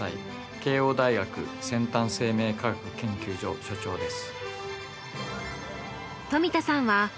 慶應大学先端生命科学研究所所長です。